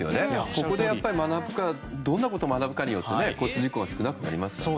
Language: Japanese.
ここでどんなことを学ぶかで交通事故が少なくなりますからね。